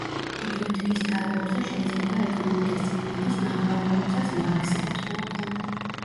ბიბლიოთეკის თაროებზე შეიძლება ეკონომიკის წიგნების ნახვა, რომლებსაც მარქსი კითხულობდა.